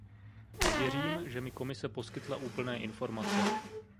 Nevěřím, že mi Komise poskytla úplné informace.